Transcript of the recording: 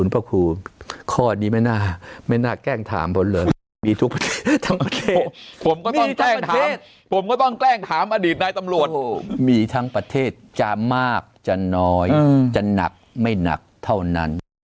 ผมก็ต้องแกล้งถามอดีตนายตำรวจมีทั้งประเทศจะมากจะน้อยจะหนักไม่หนักเท่านั้น